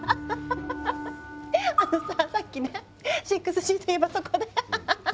あのささっきね６Ｇっていえばそこでそこで。